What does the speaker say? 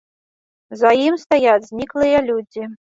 За ім стаяць зніклыя людзі.